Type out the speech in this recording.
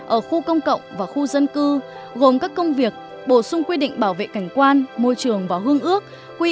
ở khu công cộng và khu dân cư gồm các công việc bổ sung quy định bảo vệ cảnh quan môi trường và hương ước